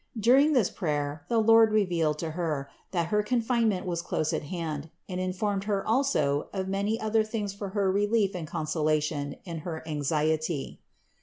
During this prayer the Lord revealed to her, that her confinement was close at hand, and informed her also of many other things for her relief and consolation in her anxiety.